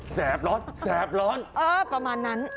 แบร้อนแสบร้อนประมาณนั้น